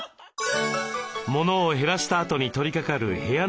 モノを減らしたあとに取りかかる部屋の片づけ。